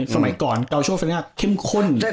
สมัยก่อนเก้าช่วงฟรีนี้มาเก่งมาก